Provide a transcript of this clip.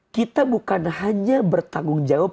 kita bukan hanya bertanggung jawab